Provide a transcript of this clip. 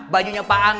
bajunya pak ang